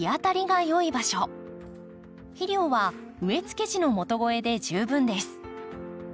肥料は植えつけ時の元肥で十分です。